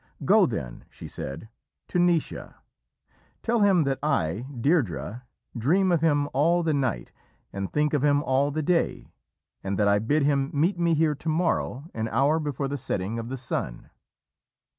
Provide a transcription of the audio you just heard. "Go, then," she said, "to Naoise. Tell him that I, Deirdrê, dream of him all the night and think of him all the day, and that I bid him meet me here to morrow an hour before the setting of the sun."